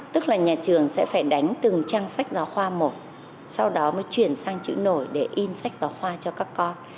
tức là nhà trường sẽ phải đánh từng trang sách giáo khoa một sau đó mới chuyển sang chữ nổi để in sách giáo khoa cho các con